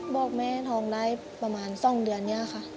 บอกแม่ท้องได้ประมาณ๒เดือนนี้ค่ะ